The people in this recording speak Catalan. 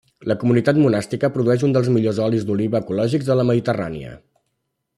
La comunitat monàstica produeix un dels millors olis d'oliva ecològics de la Mediterrània.